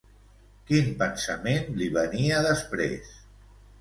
Quin pensament li venia després?